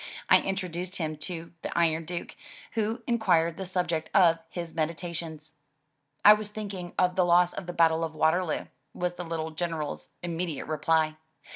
I introduced him to the "Iron Duke," who in quired the subject of his meditations. "I was thinking of the loss of the Battle of Waterloo," was the little General's imme diate reply.